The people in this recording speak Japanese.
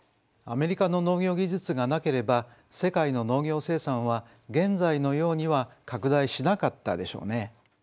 アメリカの農業技術がなければ世界の農業生産は現在のようには拡大しなかったでしょうね。